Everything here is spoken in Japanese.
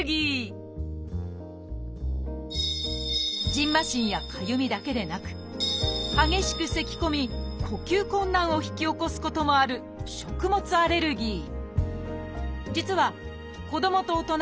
今日はじんましんやかゆみだけでなく激しくせきこみ呼吸困難を引き起こすこともある「食物アレルギー」。